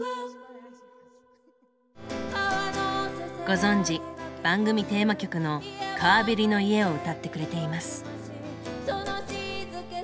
ご存じ番組テーマ曲の「川べりの家」を歌ってくれています。